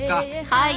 はい。